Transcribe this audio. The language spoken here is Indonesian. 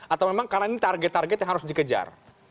atau memang karena ini target target yang harus dikejar